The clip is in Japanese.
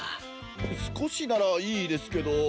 すこしならいいですけど。